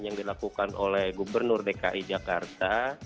yang dilakukan oleh gubernur dki jakarta